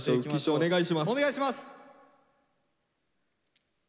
お願いします。